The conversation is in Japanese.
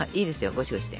ゴシゴシで。